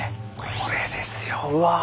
これですようわ。